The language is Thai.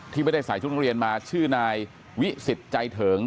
ที่ไม่ได้สายชุดนักเรียนมาชื่อนายวิสิตใจเถิง